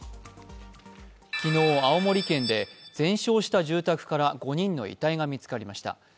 昨日、青森県で全焼した住宅の焼け跡から５人の遺体が見つかりました。